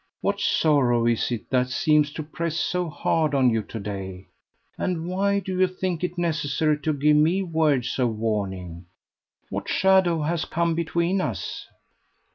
What sorrow is it that seems to press so hard on you to day, and why do you think it necessary to give me words of warning? What shadow has come between us?"